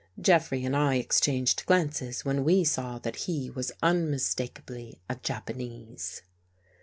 Jeffrey and I exchanged glances when we saw that he was unmistakably a Japanese.